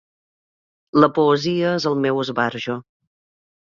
La poesia és el meu esbarjo.